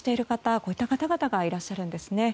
こういった方々がいらっしゃるんですね。